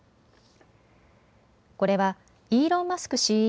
これはイーロン・マスク